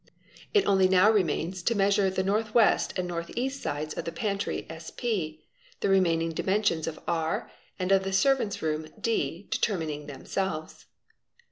It only now remains to measure the north west and north east sides of the pantry Sp, the remaining dimensions of Ff and of the servants' room D determining themselves.